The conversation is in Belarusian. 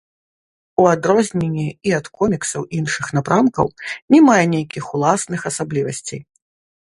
У адрозненні і ад коміксаў іншых напрамкаў, не мае нейкіх уласных асаблівасцей.